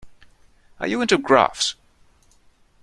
Are you into graphs?